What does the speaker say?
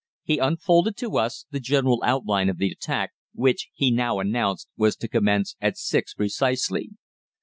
He unfolded to us the general outline of the attack, which, he now announced, was to commence at six precisely.